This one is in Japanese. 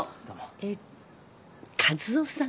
えっ和夫さん？